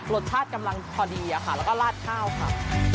รสชาติกำลังพอดีค่ะแล้วก็ลาดข้าวค่ะ